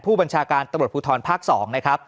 ผู้บัญชาการตะบดภูทรภาค๒